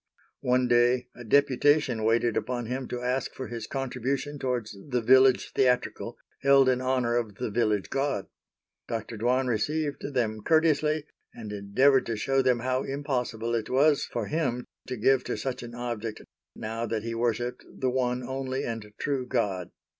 One day a deputation waited upon him to ask for his contribution towards the village theatrical held in honor of the village god. Dr. Dwan received them courteously, and endeavored to show them how impossible it was for him to give to such an object now that he worshipped the One Only and True God.